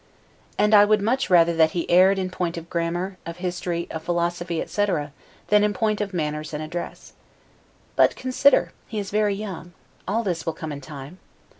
And I would much rather that he erred in a point of grammar, of history, of philosophy, etc., than in point of manners and address. But consider, he is very young; all this will come in time.